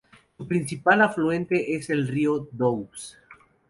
Su principal afluente es el río Doubs.